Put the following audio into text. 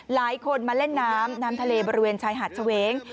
หลายคนมาเล่นน้ำน้ำทะเลบริเวณชายหาดเฉวง